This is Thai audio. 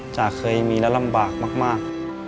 จะเคยมีร้านลำบากมาก